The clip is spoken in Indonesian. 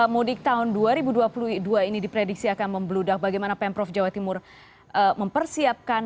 mudik tahun dua ribu dua puluh dua ini diprediksi akan membeludah bagaimana pemprov jawa timur mempersiapkan